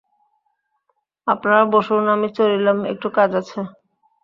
আপনারা বসুন, আমি চলিলাম–একটু কাজ আছে।